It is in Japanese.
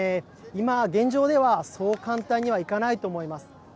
今、現状ではそう簡単にはいかないと思います。